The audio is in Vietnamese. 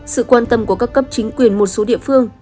sự quan tâm của các cấp chính quyền một số địa phương